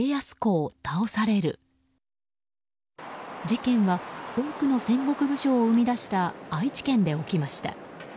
事件は多くの戦国武将を生み出した愛知県で起きました。